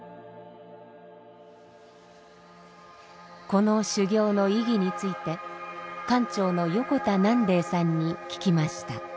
この修行の意義について管長の横田南嶺さんに聞きました。